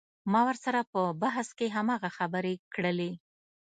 ما ورسره په بحث کښې هماغه خبرې کړلې.